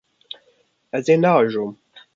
Ez ê neajom.